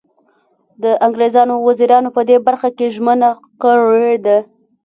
د انګریزانو وزیرانو په دې برخه کې ژمنه کړې ده.